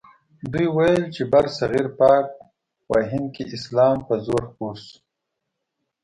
دوی ویل چې برصغیر پاک و هند کې اسلام په زور خپور شو.